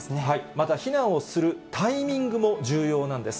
また、避難をするタイミングも重要なんです。